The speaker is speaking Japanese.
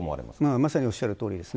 まさにおっしゃるとおりですね。